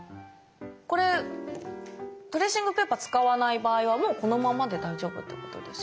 これトレーシングペーパー使わない場合はもうこのままで大丈夫ってことですか？